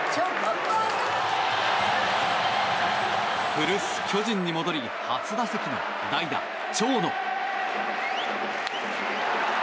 古巣、巨人に戻り初打席の代打、長野。